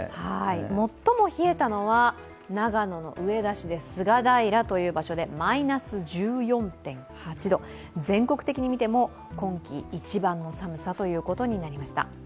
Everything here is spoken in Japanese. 最も冷えたのは長野の上田市で菅平という場所でマイナス１４．８度全国的に見ても今季一番の寒さということになりました。